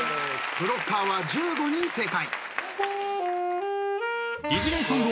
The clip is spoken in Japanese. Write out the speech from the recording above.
ブロッカーは１５人正解。